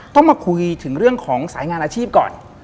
ต้องมาคุยถึงเรื่องของสายงานอาชีพก่อน